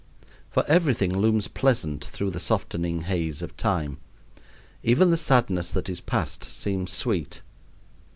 For everything looms pleasant through the softening haze of time. Even the sadness that is past seems sweet.